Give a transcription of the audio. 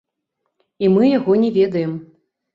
І мы яго не ведаем.